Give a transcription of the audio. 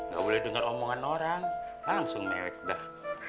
gak boleh denger omongan orang langsung mewek dah